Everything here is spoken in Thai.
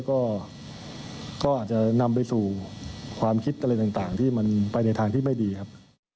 ก็อาจจะนำไปสู่ความคิดอะไรต่างที่มันไปในทางที่ไม่ดีครับ